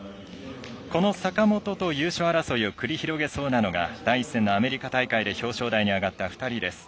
この坂本と優勝争いを繰り広げそうなのが第１戦のアメリカ大会で表彰台に上がった２人です。